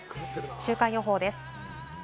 週間予報です。